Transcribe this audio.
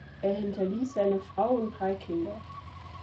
Er hinterließ seine Frau und drei Kinder.